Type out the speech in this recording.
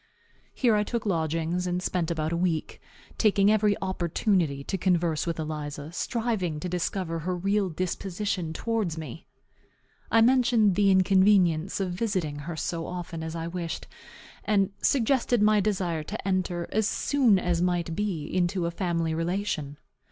Here I took lodgings, and spent about a week, taking every opportunity to converse with Eliza, striving to discover her real disposition towards me. I mentioned the inconvenience of visiting her so often as I wished, and suggested my desire to enter, as soon as might be, into a family relation.